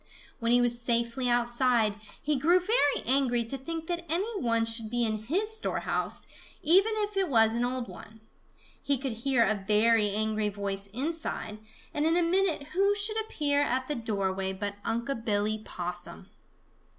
When he was safely outside, he grew very angry to think that any one should be in his storehouse, even if it was an old one. He could hear a very angry voice inside, and in a minute who should appear at the doorway but Unc' Billy Possum.